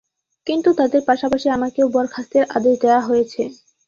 কিন্তু তাঁদের পাশাপাশি আমাকেও বরখাস্তের আদেশ দেওয়া হয়েছে।